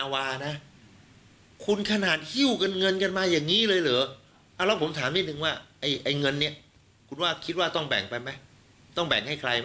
แล้วผมถามนึกว่าคุณคิดว่าคือเงินก็ต้องแบ่งไหมให้ใครนะ